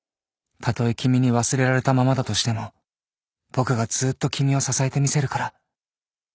たとえ君に忘れられたままだとしても僕がずっと君を支えてみせるから